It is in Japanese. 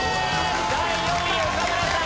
第４位岡村さん！